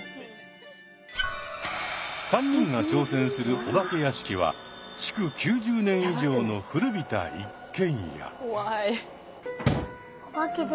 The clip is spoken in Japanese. ３人が挑戦するお化け屋敷は築９０年以上の古びた一軒家。